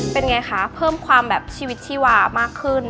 เป็นไงคะเพิ่มความแบบชีวิตชีวามากขึ้น